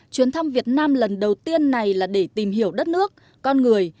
chuyến thăm việt nam lần đầu tiên này là để tìm hiểu đất nước con người